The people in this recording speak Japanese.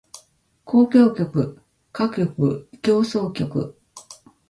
交響曲歌曲協奏曲